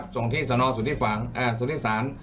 ส่งที่สนสุทธิศาล